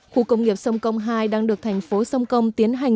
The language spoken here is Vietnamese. khu công nghiệp sông công hai đang được thành phố sông công tiến hành